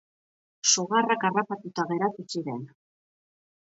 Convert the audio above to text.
Sugarrak harrapatuta geratu ziren.